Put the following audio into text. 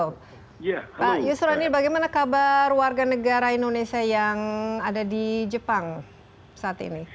pak yusroni bagaimana kabar warga negara indonesia yang ada di jepang saat ini